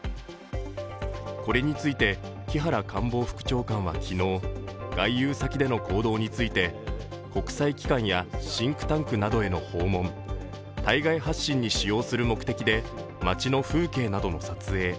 これについて木原官房副長官は昨日、外遊先での行動について国際機関やシンクタンクなどへの訪問、対外発信に使用する目的で街の風景などの撮影。